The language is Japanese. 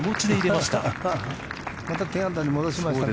また１０アンダーに戻しましたか。